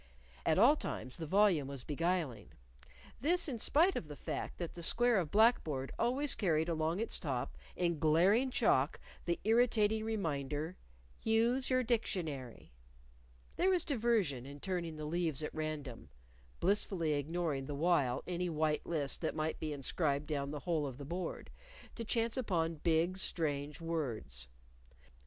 At all times the volume was beguiling this in spite of the fact that the square of black board always carried along its top, in glaring chalk, the irritating reminder: Use Your Dictionary! There was diversion in turning the leaves at random (blissfully ignoring the while any white list that might be inscribed down the whole of the board) to chance upon big, strange words.